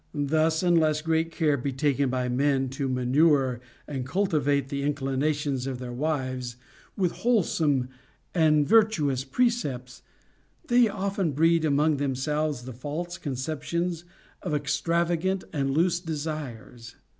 Thus, unless great care be taken by men to manure and cultivate the inclinations of their wives with wholesome and virtuous precepts, they often breed among themselves the false conceptions of extrava gant and loose desires.